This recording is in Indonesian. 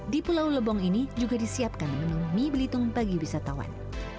di pulau lebong ini juga disiapkan menu mie belitung bagi wisatawan